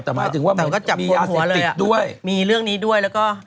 แต่หมายถึงว่ามันมียาเสพติดด้วยมีเรื่องนี้ด้วย